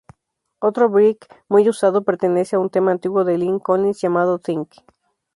Otro break muy usado pertenece a un tema antiguo de Lynn Collins llamado "Think".